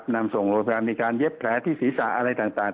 นำส่งโรงพยาบาลมีการเย็บแผลที่ศีรษะอะไรต่าง